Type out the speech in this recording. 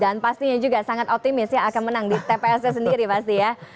dan pastinya juga sangat optimis ya akan menang di tpsnya sendiri pasti ya